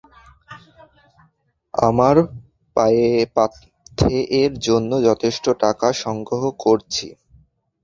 আমার পাথেয়ের জন্য যথেষ্ট টাকা সংগ্রহ করছি।